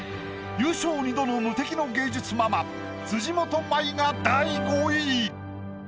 優勝２度の無敵の芸術ママ辻元舞が第５位。